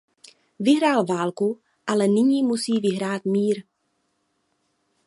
Vyhrál válku, ale nyní musí vyhrát mír.